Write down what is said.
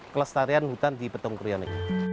kelestarian hutan di petung kriono